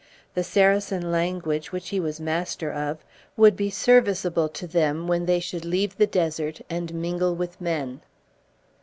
The Saracen language, which he was master of, would be serviceable to them when they should leave the desert, and mingle with men.